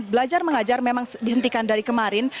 belajar mengajar memang dihentikan dari kemarin